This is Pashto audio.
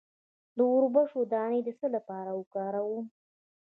د وربشو دانه د څه لپاره وکاروم؟